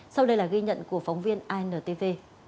sau đây là ghi nhận của phóng viên intv